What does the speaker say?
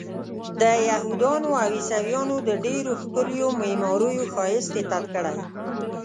د یهودانو او عیسویانو د ډېرو ښکلیو معماریو ښایست یې تت کړی.